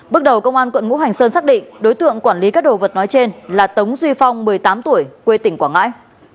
bước đầu công an quận ngũ hành sơn xác định đối tượng quản lý các đồ vật nói trên là tống duy phong một mươi tám tuổi quê tỉnh quảng ngãi